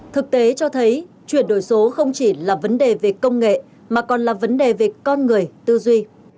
thực tế cho thấy chuyển đổi số không chỉ là vấn đề về công nghệ mà còn là vấn đề về con người tư duy